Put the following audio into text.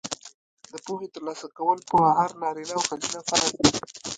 د پوهې ترلاسه کول په هر نارینه او ښځینه فرض دي.